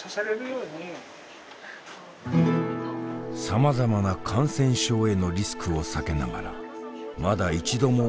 さまざまな感染症へのリスクを避けながらまだ一度も会えていない